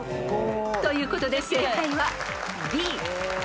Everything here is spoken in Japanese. ［ということで正解はＢ］